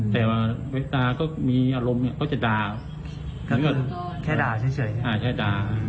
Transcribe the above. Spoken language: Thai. แต่ว่าเวลาก็มีอารมณ์เขาจะด่าแค่ด่าเฉยใช่ด่า